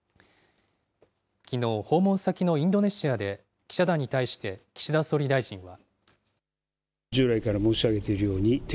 きのう、訪問先のインドネシアで、記者団に対して岸田総理大臣は。